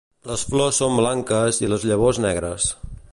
Les flors són blanques i les llavors negres.